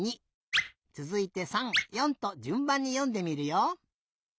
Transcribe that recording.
つづいて３４とじゅんばんによんでみるよ。